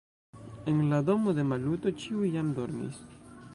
En la domo de Maluto ĉiuj jam dormis.